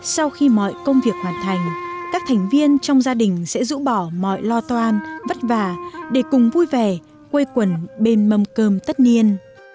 sau khi mọi công việc hoàn thành các thành viên trong gia đình sẽ rũ bỏ mọi lo toan vất vả để cùng vui vẻ quây quần bên mâm cơm tất niên